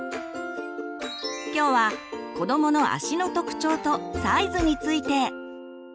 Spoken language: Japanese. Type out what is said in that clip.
今日は子どもの足の特徴とサイズについて。